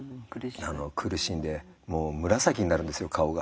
苦しんでもう紫になるんですよ顔が。